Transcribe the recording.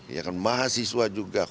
ya kan mahasiswa juga